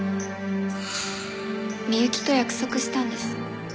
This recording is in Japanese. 美雪と約束したんです。